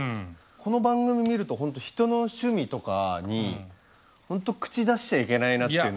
この番組見るとほんと人の趣味とかにほんと口出しちゃいけないなっていうの。